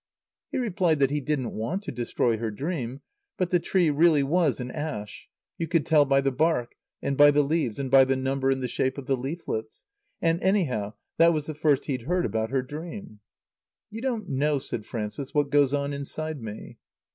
He replied that he didn't want to destroy her dream, but the tree really was an ash. You could tell by the bark, and by the leaves and by the number and the shape of the leaflets. And anyhow, that was the first he'd heard about her dream. "You don't know," said Frances, "what goes on inside me."